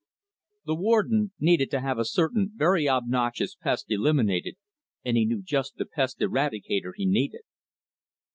] _The Warden needed to have a certain very obnoxious pest eliminated ... and he knew just the pest eradicator he needed....